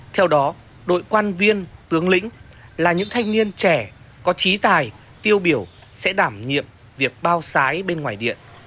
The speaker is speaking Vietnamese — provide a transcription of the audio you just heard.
theo đó đội quan viên tướng lĩnh là những thanh niên trẻ có trí tài tiêu biểu sẽ đảm nhiệm việc bao sái bên ngoài điện